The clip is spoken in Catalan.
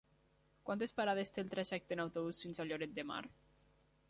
Quantes parades té el trajecte en autobús fins a Lloret de Mar?